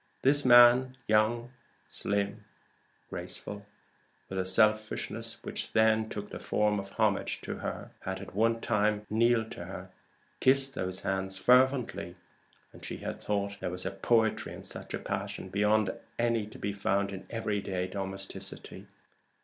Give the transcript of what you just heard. This man, young, slim, and graceful, with a selfishness which then took the form of homage to her, had at one time kneeled to her and kissed those hands fervently, and she had thought there was a poetry in such passion beyond any to be found in everyday domesticity.